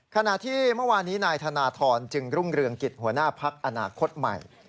ขณะที่เมื่อวานนี้นายธนทรจึงรุ่งเรืองกิจหัวหน้าพักอนาคตใหม่